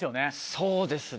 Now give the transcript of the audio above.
そうですね。